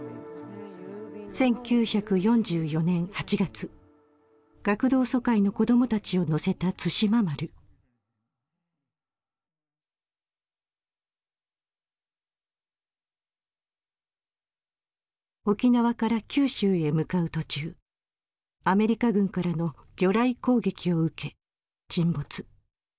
１９４４年８月学童疎開の子供たちを乗せた対馬丸沖縄から九州へ向かう途中アメリカ軍からの魚雷攻撃を受け沈没。